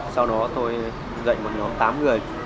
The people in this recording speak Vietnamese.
sau đó tôi dạy một nhóm tám người